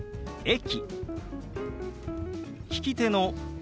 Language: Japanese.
「駅」。